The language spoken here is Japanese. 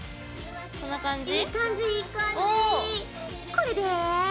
これで。